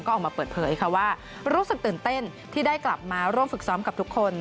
ก็ออกมาเปิดเผยค่ะว่ารู้สึกตื่นเต้นที่ได้กลับมาร่วมฝึกซ้อมกับทุกคน